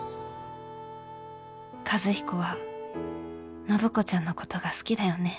和彦は暢子ちゃんのことが好きだよね。